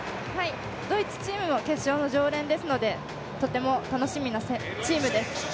ドイツチームも決勝の常連ですので、とても楽しみなチームです。